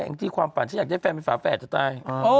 งจี้ความฝันฉันอยากได้แฟนเป็นฝาแฝดจะตาย